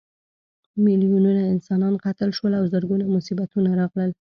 میلیونونه انسانان قتل شول او زرګونه مصیبتونه راغلل.